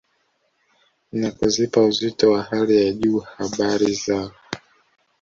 na kuzipa uzito wa hali ya juu habari za